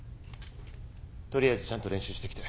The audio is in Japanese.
とりあえずちゃんと練習してきて。